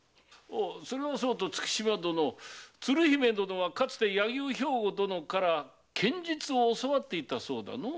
それはそうと月島殿鶴姫殿はかつて柳生兵庫殿から剣術を教わっていたそうだの。